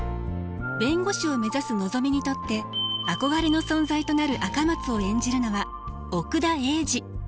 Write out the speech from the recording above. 弁護士を目指すのぞみにとって憧れの存在となる赤松を演じるのは奥田瑛二。